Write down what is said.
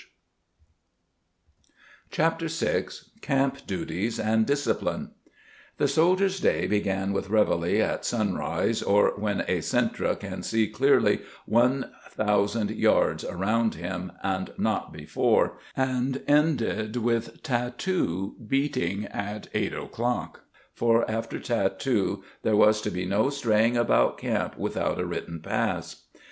] Chapter VI CAMP DUTIES AND DISCIPLINE The soldier's day began with reveille at sunrise or "when a Sentra Can See Clearly one thousand yards around him and not Before" and ended with tat too heating at eight o'clock; for after tat too there was to be no straying about camp without a written pass.